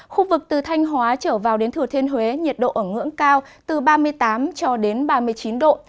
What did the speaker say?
khu vực từ thanh hóa trở vào đến thừa thiên huế nhiệt độ ở ngưỡng cao từ ba mươi tám cho đến ba mươi chín độ